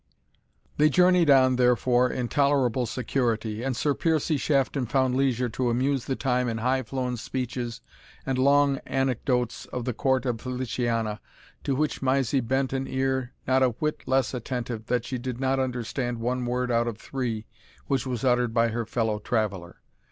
They journeyed on, therefore, in tolerable security, and Sir Piercie Shafton found leisure to amuse the time in high flown speeches and long anecdotes of the court of Feliciana, to which Mysie bent an ear not a whit less attentive, that she did not understand one word out of three which was uttered by her fellow traveller.